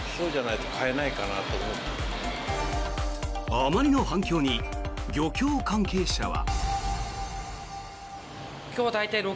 あまりの反響に漁協関係者は。